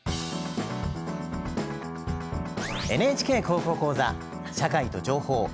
「ＮＨＫ高校講座社会と情報」。